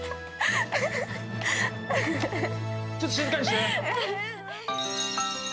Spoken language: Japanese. ちょっと静かにして！